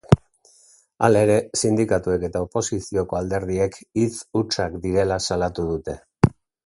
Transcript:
Hala ere, sindikatuek eta oposizioko alderdiek hitz hutsak direla salatu dute.